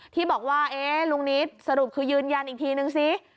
ที่บอกว่าลุงนิดสรุปคือยืนยันอีกทีนึงสิ